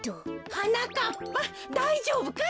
はなかっぱだいじょうぶかい？